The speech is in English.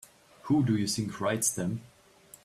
Who do you think writes them?